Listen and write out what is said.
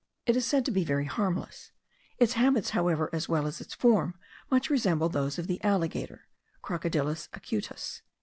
It is said to be very harmless; its habits however, as well as its form, much resemble those of the alligator (Crocodilus acutus).